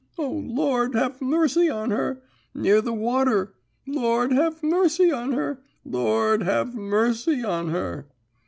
O Lord, have mercy on her! Near the water. Lord, have mercy on her! Lord, have mercy on her!'